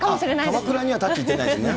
鎌倉にはたっち行ってないですね。